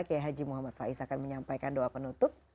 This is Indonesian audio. kiai haji muhammad faiz akan menyampaikan doa penutup